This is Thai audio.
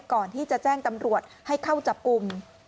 ก่อนที่จะแจ้งตำรวจให้เข้าจับกลุ่ม